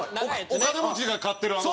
お金持ちが飼ってるあの。